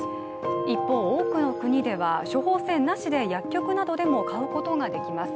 一方、多くの国では処方箋なしで薬局などでも買うことができます。